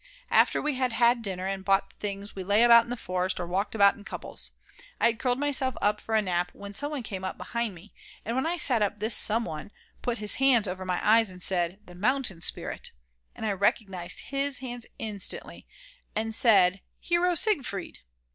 After we had had dinner and bought the things we lay about in the forest or walked about in couples. I had curled myself up for a nap when some one came up behind me, and when I sat up this someone put his hands over my eyes and said: "The Mountain Spirit." And I recognised his hands instantly, and said: "Hero Siegfried!"